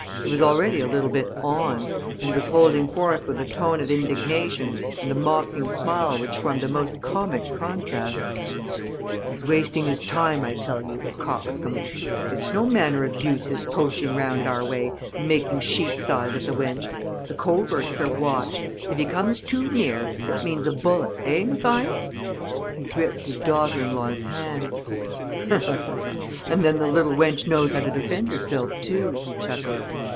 He was already a little bit 'on' and was holding forth with a tone of indignation and a mocking smile which formed the most comic contrast: "'He's wasting his time, I tell you, the coxcomb! It's no manner of use his poaching round our way and making sheep's eyes at the wench.... The coverts are watched! If he comes too near, it means a bullet, eh, Mathias?' "He gripped his daughter in law's hand: "'And then the little wench knows how to defend herself too,' he chuckled.